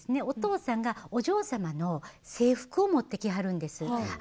お父さんがお嬢様の制服を持ってきはるんです。